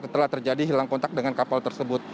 telah terjadi hilang kontak dengan kapal tersebut